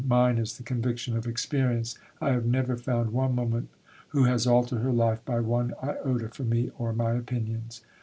Mine is the conviction of experience. I have never found one woman who has altered her life by one iota for me or my opinions.